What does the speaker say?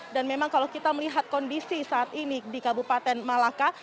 dan memang kalau kita melihat kondisi saat ini di kabupaten malaka